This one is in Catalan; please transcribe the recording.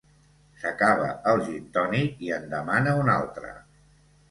S'acaba el gintònic i en demana un altre.